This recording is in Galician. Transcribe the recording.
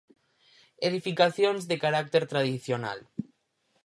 Edificacións de carácter tradicional.